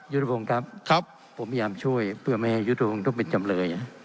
ยุทธพงศ์ครับผมพยายามช่วยเพื่อไม่ให้ยุทธพงศ์ต้องเป็นจำเลย